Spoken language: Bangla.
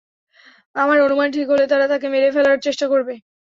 আমার অনুমান ঠিক হলে তারা তাকে মেরে ফেলার চেষ্টা করবে।